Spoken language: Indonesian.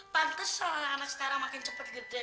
pantes lah anak anak sekarang makin cepet gede